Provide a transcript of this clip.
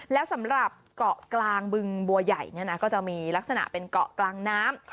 แล้วสำหรับเกาะกลางบึงบัวใหญ่ก็จะมีลักษณะเป็นเกาะกลางน้ำ